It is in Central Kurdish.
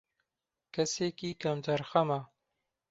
کەسێکی کەم تەرخەمە